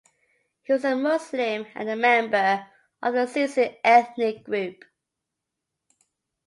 He was a Muslim and a member of the Susu ethnic group.